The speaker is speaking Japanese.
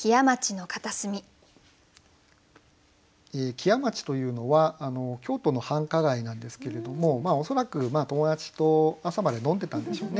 木屋町というのは京都の繁華街なんですけれども恐らく友達と朝まで飲んでたんでしょうね。